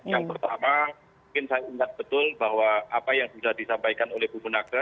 yang pertama mungkin saya ingat betul bahwa apa yang sudah disampaikan oleh bu munaga